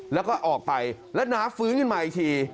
แล้วก็ออกไปแล้วน้าฟื้นขึ้นมาอีกที